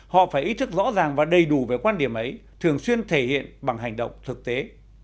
họ phải ý thức rõ ràng và đầy đủ về quan điểm ấy thường xuyên thể hiện bằng hành động thực tế